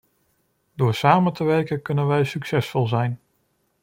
Door samen te werken kunnen wij succesvol zijn.